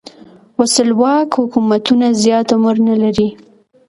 ولسواک حکومتونه زیات عمر نه لري.